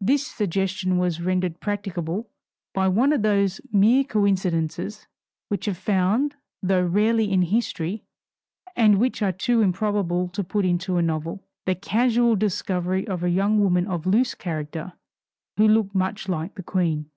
This suggestion was rendered practicable by one of those mere coincidences which are found though rarely in history, and which are too improbable to put into a novel the casual discovery of a young woman of loose character who looked much like the Queen.